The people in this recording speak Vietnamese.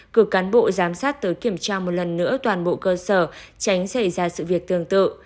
cử cán bộ giám sát tới kiểm tra một lần nữa toàn bộ cơ sở tránh xảy ra sự việc tương tự